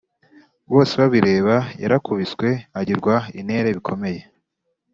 bosebabireba yarakubiswe agirwa intere bikomeye